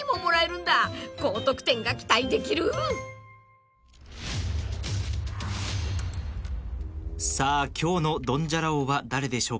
［高得点が期待できる］さあ今日のドンジャラ王は誰でしょうか？